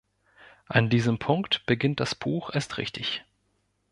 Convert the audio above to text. An diesem Punkt beginnt das Buch erst richtig.